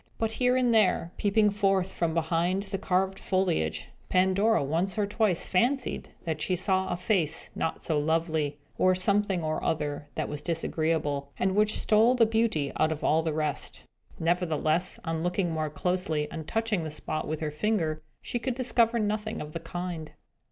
But here and there, peeping forth from behind the carved foliage, Pandora once or twice fancied that she saw a face not so lovely, or something or other that was disagreeable, and which stole the beauty out of all the rest. Nevertheless, on looking more closely, and touching the spot with her finger, she could discover nothing of the kind.